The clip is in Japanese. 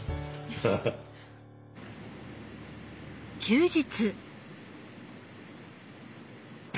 休日。